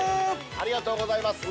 ありがとうございます。